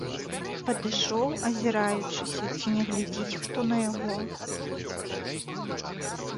Падышоў, азіраючыся, ці не глядзіць хто на яго.